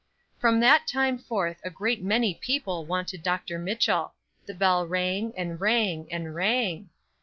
From that time forth a great many people wanted Dr. Mitchell. The bell rang, and rang, and rang.